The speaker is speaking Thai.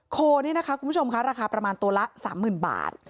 โคนี่นะคะคุณผู้ชมคะราคาประมาณตัวละ๓๐๐๐บาท